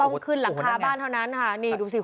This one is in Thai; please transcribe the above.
ขึ้นหลังคาบ้านเท่านั้นค่ะนี่ดูสิ